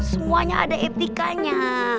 semuanya ada etikanya